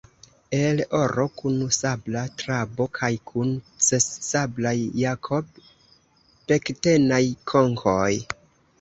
El oro kun sabla trabo kaj kun ses sablaj jakob-pektenaj konkoj.